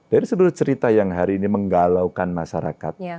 dari seluruh cerita yang hari ini menggalaukan masyarakat